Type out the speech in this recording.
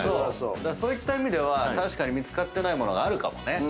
そういった意味では確かに見つかってない物があるかもね。